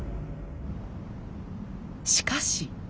しかし。